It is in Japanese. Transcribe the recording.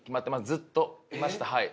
ずっといましたはい。